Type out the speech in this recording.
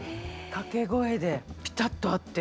掛け声でピタッと合って。